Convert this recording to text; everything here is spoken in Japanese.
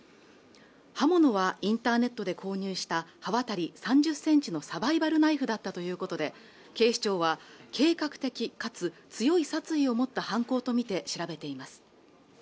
刃物はインターネットで購入した刃渡り３０センチのサバイバルナイフだったということで警視庁は計画的かつ強い殺意を持った犯行とみて調べています